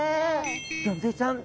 ギョンズイちゃん